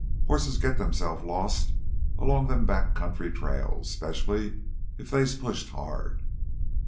Hosses git themselves lost 'long them back country trails, specially if they's pushed hard.